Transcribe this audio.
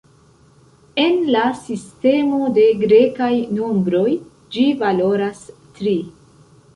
En la sistemo de grekaj nombroj ĝi valoras tri.